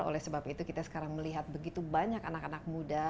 oleh sebab itu kita sekarang melihat begitu banyak anak anak muda